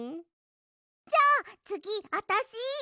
じゃあつぎあたし！